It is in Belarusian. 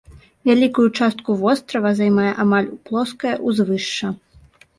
Вялікую частку вострава займае амаль плоскае ўзвышша.